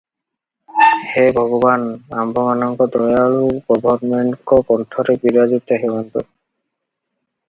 ହେ ଭଗବାନ୍! ଆମ୍ଭମାନଙ୍କ ଦୟାଳୁ ଗଭର୍ଣ୍ଣମେଣ୍ଟଙ୍କ କଣ୍ଠରେ ବିରାଜିତ ହେଉନ୍ତୁ ।